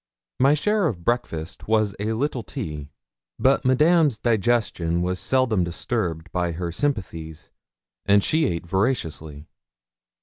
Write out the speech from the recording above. My share of breakfast was a little tea; but Madame's digestion was seldom disturbed by her sympathies, and she ate voraciously.